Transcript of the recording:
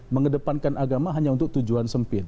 mengedepankan agama hanya untuk tujuan sempit